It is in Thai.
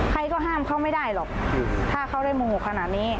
ใครก็ห้ามเขาไม่ได้หรอกถ้าเขาได้โมโหขนาดนี้